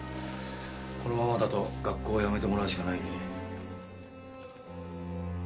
このままだと学校を辞めてもらうしかないね。